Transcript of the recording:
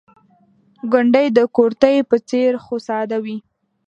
ګنډۍ د کورتۍ په څېر خو ساده وي.